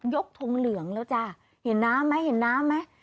ทงเหลืองแล้วจ้ะเห็นน้ำไหมเห็นน้ำไหม